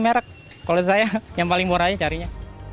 merek kalau saya yang paling murah aja carinya